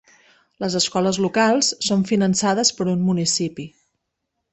Les escoles locals són finançades per un municipi.